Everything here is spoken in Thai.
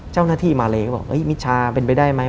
เจ้าหน้าที่มาเลก็บอกมิชาเป็นไปได้ไหม